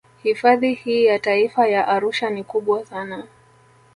Hifadhi hii ya Taifa ya Arusha ni kubwa sana